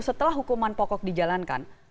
setelah hukuman pokok dijalankan